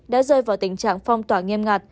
đã rơi vào tình trạng phong tỏa nghiêm ngặt